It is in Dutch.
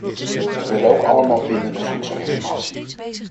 We willen ook allemaal bindende voedselinformatie.